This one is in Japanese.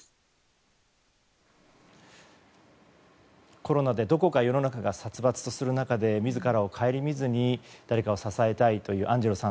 コロナでどこか世の中が殺伐とする中で自らを顧みずに誰かを支えたいというアンジェロさん。